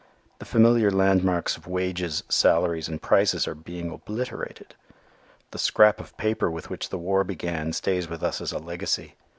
The familiar landmarks of wages, salaries and prices are being obliterated. The "scrap of paper" with which the war began stays with us as its legacy.